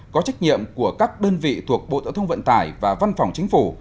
có trách nhiệm của các đơn vị thuộc bộ tổ thông vận tài và văn phòng chính phủ